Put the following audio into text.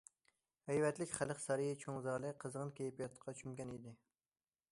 ھەيۋەتلىك خەلق سارىيى چوڭ زالى قىزغىن كەيپىياتقا چۆمگەن ئىدى.